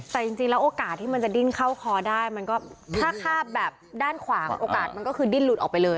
แต่จริงแล้วโอกาสที่มันจะดิ้นเข้าคอได้มันก็ถ้าคาบแบบด้านขวางโอกาสมันก็คือดิ้นหลุดออกไปเลย